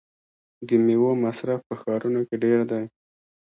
د میوو مصرف په ښارونو کې ډیر دی.